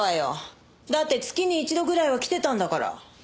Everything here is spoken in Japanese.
だって月に一度ぐらいは来てたんだから。